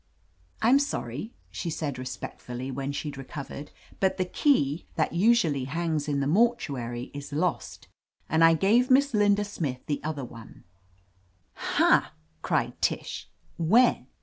"I'm sorry," she said respectfully, when she'd recovered, "but the key that usually hangs in the mortuary is lost, and I gave Miss Linda Smith the other one." 174 OF LETITIA CARBERRY "Hah r cried Tish, "When?"